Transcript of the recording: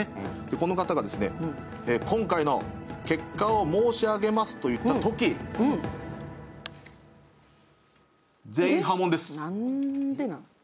この方が、今回の結果を申し上げますと言ったとき「全員破門です」。